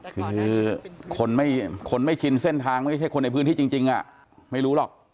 คือคนไม่ชินเส้นทางไม่ใช่คนในพื้นที่จริงไม่รู้หรอก